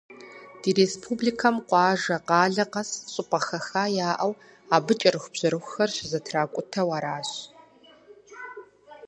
Ди республикэм къуажэ, къалэ къэс щӏыпӏэ хэха яӏэу, абы кӏэрыхубжьэрыхур щызэтракӏутэу аращ.